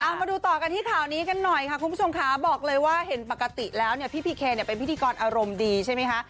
เอามาดูต่อกันที่ข่าวนี้กันหน่อยค่ะคุณผู้ชมค่ะบอกเลยว่าเห็นปกติแล้วเนี่ยพี่พีเคเนี่ยเป็นพิธีกรอารมณ์ดีใช่ไหมคะ